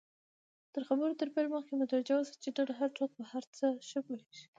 د خبرو تر پیل مخکی متوجه اوسه، چی نن هرڅوک په هرڅه ښه پوهیږي!